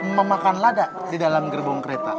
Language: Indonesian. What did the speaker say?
memakan lada di dalam gerbong kereta